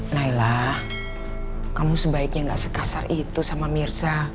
nailah kamu sebaiknya gak sekasar itu sama mirza